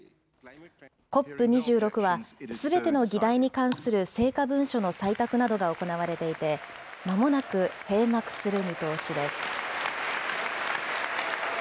ＣＯＰ２６はすべての議題に関する成果文書の採択などが行われていて、まもなく閉幕する見通しです。